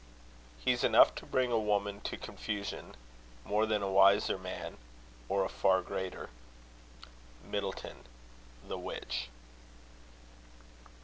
He's enough To bring a woman to confusion, More than a wiser man, or a far greater. MIDDLETON. The Witch.